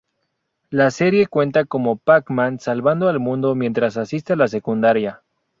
La serie cuenta como Pac-Man salvando al mundo mientras asiste a la secundaria.